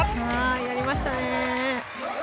やりましたね。